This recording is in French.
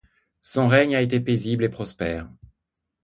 Son règne a été paisible et prospère.